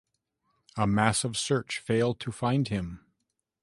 A massive search failed to find him.